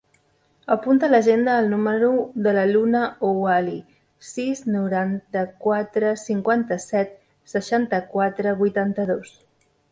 Apunta a l'agenda el número de la Luna Ouali: sis, noranta-quatre, cinquanta-set, seixanta-quatre, vuitanta-dos.